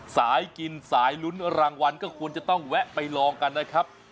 สายกินสายลุ้นรางวัลก็ควรจะต้องแวะไปลองกันนะครับ